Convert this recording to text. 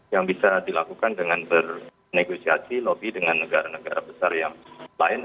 yang bisa dilakukan dengan bernegosiasi lobby dengan negara negara besar yang lain